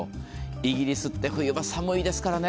イギリスって冬場寒いですからね。